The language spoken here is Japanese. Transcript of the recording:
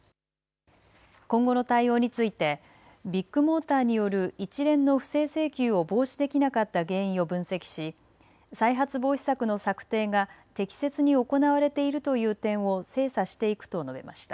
今後の対応についてビッグモーターによる一連の不正請求を防止できなかった原因を分析し再発防止策の策定が適切に行われているという点を精査していくと述べました。